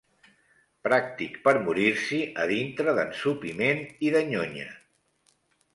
Pràctic per morir-s'hi a dintre d'ensopiment i de nyonya.